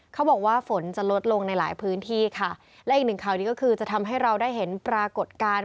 เขาบอกว่าฝนจะลดลงในหลายพื้นที่ค่ะและอีกหนึ่งข่าวนี้ก็คือจะทำให้เราได้เห็นปรากฏการณ์